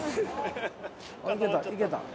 あっいけたいけた。